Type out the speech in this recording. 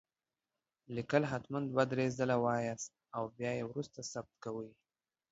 ليکل هتمن دوه دري ځلي وايي او بيا يي وروسته ثبت کوئ